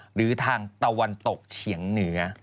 หรือทางตะวันตกเฉียงเหนือ